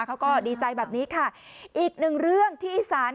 เขาก็ดีใจแบบนี้ค่ะอีกหนึ่งเรื่องที่อีสาน